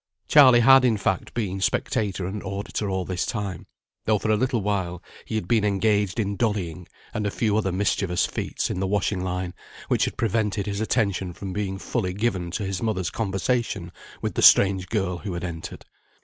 Charley had, in fact, been spectator and auditor all this time; though for a little while he had been engaged in "dollying" and a few other mischievous feats in the washing line, which had prevented his attention from being fully given to his mother's conversation with the strange girl who had entered.